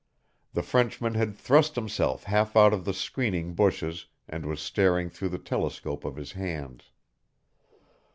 The Frenchman had thrust himself half out of the screening bushes and was staring through the telescope of his hands.